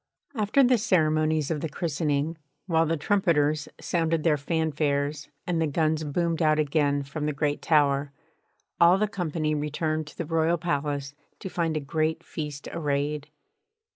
After the ceremonies of the christening, while the trumpeters sounded their fanfares and the guns boomed out again from the great tower, all the company returned to the Royal Palace to find a great feast arrayed.